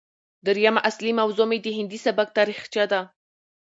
درييمه اصلي موضوع مې د هندي سبک تاريخچه ده